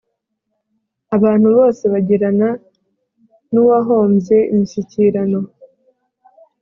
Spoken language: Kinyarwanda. abantu bose bagirana n’ uwahombye imishyikirano